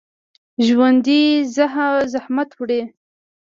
ژوندي زحمت وړي